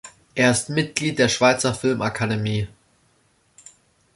Er ist Mitglied der Schweizer Filmakademie.